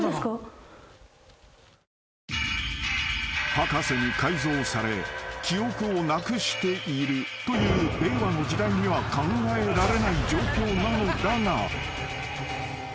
［博士に改造され記憶をなくしているという令和の時代には考えられない状況なのだが］